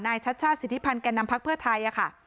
ชัชชาติสิทธิพันธ์แก่นำพักเพื่อไทยค่ะ